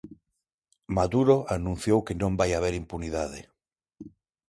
Maduro anunciou que non vai haber impunidade.